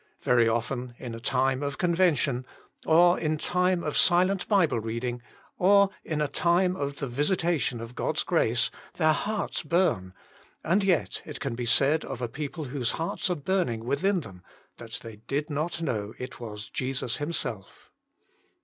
Very often in a time of Con vention, or in time of silent Bible read ing, or in a time of the visitation of God's grace, their hearts bum ; and yet it can be said of a people whose hearts Jesus Himself, are burning within them, that they did not know it was Jesus Himself.